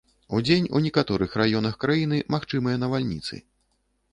Удзень у некаторых раёнах краіны магчымыя навальніцы.